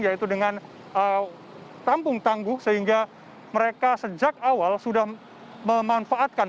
yaitu dengan tampung tangguh sehingga mereka sejak awal sudah memanfaatkan